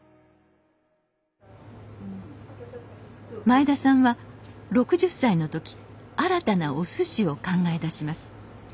前田さんは６０歳の時新たなおすしを考え出します。